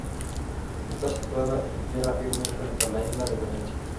Está situada en tierra firme, frente a la isla de Venecia.